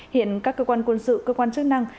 hiện các cơ quan quân sự cơ quan chức năng